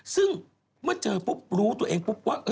ซึ่งเมื่อเจอปุ๊บรู้ตัวเองปุ๊บว่า